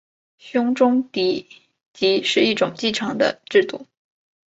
兄终弟及是一种继承的制度。